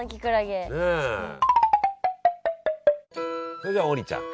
それでは王林ちゃん